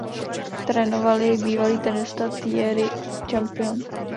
Trénoval jej bývalý tenista Thierry Champion.